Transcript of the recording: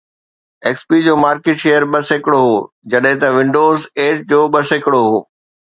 X پي جو market share ٻه سيڪڙو هو جڏهن ته ونڊوز ايٽ جو ٻه سيڪڙو هو